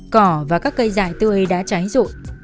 cỏ và các cây dại tươi đã cháy rụi